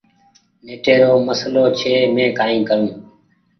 نيٽي رو مسلو ڇي مينٚ ڪآئي ڪرون